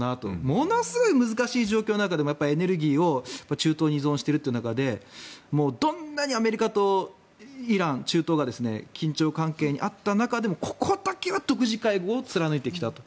ものすごい難しい状況の中でエネルギーを中東に依存しているという中でどんなにアメリカとイラン、中東が緊張関係にあった中でもここは独自外交を貫いてきたと。